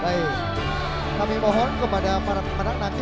baik kami mohon kepada para pemenang nanti